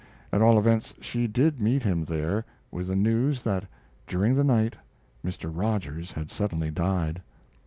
At all events, she did meet him there, with the news that during the night Mr. Rogers had suddenly died.